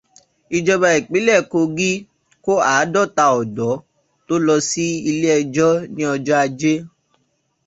Ìjọba ìpínlẹ̀ Kogí kó àádọ́ta ọ̀dọ́ tó lọ sí ilé ijó ní ọjọ́ Ajé.